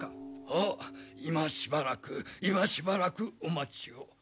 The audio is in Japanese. はっ今しばらく今しばらくお待ちを。